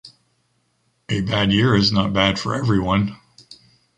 A bad year is not bad for everyone.